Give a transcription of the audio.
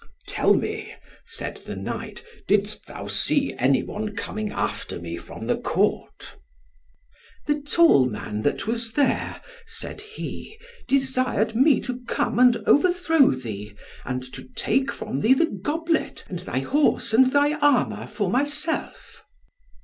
"Tell me," said the knight, "didst thou see any one coming after me from the Court?" "The tall man that was there," said he, "desired me to come, and overthrow thee, and to take from thee the goblet, and thy horse and thy armour for myself."